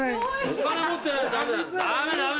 お金持ってないとダメだダメダメ。